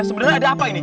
sebenarnya ada apa ini